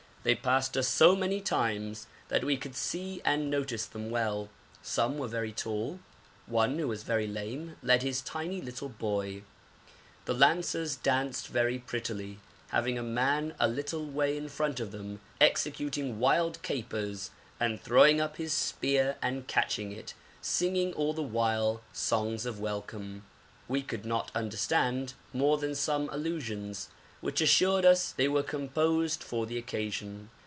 They passed us so many times that we could see and notice them well. Some were very tall; one who was very lame led his tiny little boy. The lancers danced very prettily, having a man a little way in front of them executing wild capers and throwing up his spear and catching it, singing all the while songs of welcome. We could not understand more than some allusions, which assured us they were composed for the occasion.